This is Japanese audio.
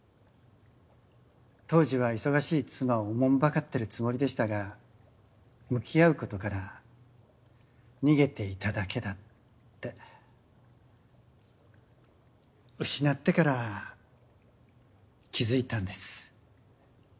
当時は忙しい妻をおもんぱかってるつもりでしたが向き合うことから逃げていただけだって失ってから気付いたんです。